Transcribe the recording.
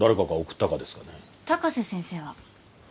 高瀬先生は？